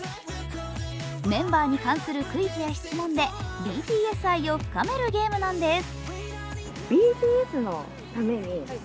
メンバーに関するクイズや質問でＢＴＳ愛を深めるゲームなんです。